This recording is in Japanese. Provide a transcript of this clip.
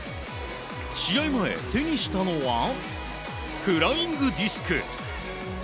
試合前、手にしたのはフライングディスク。